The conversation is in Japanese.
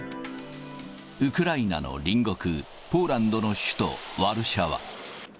ウクライナの隣国、ポーランドの首都ワルシャワ。